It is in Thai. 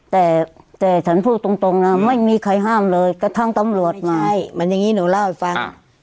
แต่แต่ฉันพูดตรงนะไม่มีใครห้ามเลยกระทั่งตำรวจมาให้มันอย่างนี้หนูเล่าให้ฟัง